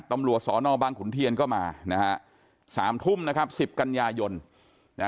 ตำรวจสอนอบางขุนเทียนก็มานะฮะสามทุ่มนะครับสิบกันยายนนะฮะ